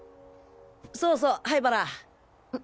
そうそう灰原。